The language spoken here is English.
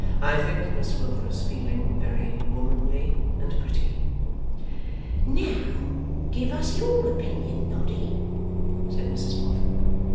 'I think Miss Wilfer's feeling very womanly and pretty.' 'Now, give us your opinion, Noddy,' said Mrs Boffin.